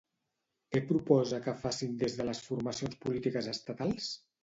Què proposa que facin des de les formacions polítiques estatals?